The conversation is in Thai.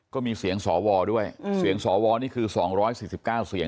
ก็มีเสียงสอวอด้วยอืมเสียงสอวอนี่คือสองร้อยสิบเก้าเสียง